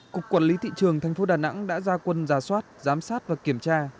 cục quản lý thị trường tp đà nẵng đã ra quân giả soát giám sát và kiểm tra